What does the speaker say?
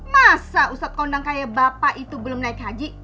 masa usap kondang kaya bapak itu belum naik haji